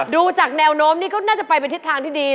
ดูจากแนวโน้มนี่ก็น่าจะไปเป็นทิศทางที่ดี